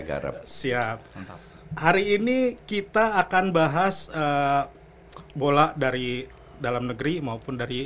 garap siap hari ini kita akan bahas bola dari dalam negeri maupun dari